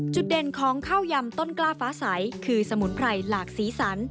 เด่นของข้าวยำต้นกล้าฟ้าใสคือสมุนไพรหลากสีสัน